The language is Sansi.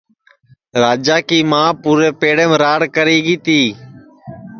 راجا کی مان پُورے پیڑیم راڑ کری تی